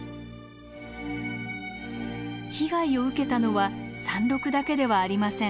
被害を受けたのは山麓だけではありません。